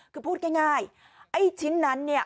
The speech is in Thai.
คือพูดง่ายไอ้ชิ้นนั้นเนี่ย